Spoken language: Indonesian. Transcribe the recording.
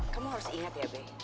kamu harus ingat ya be